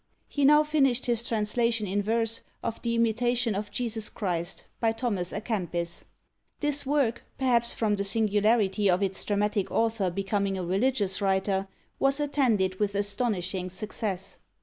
He now finished his translation in verse, of the "Imitation of Jesus Christ," by Thomas à Kempis. This work, perhaps from the singularity of its dramatic author becoming a religious writer, was attended with astonishing success.